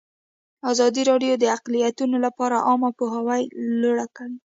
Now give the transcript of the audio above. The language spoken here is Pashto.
ازادي راډیو د اقلیتونه لپاره عامه پوهاوي لوړ کړی.